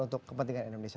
untuk kepentingan indonesia